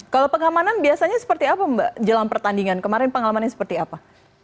kalau pengalaman biasanya seperti apa mbak jalan pertandingan kemarin pengalaman seperti apa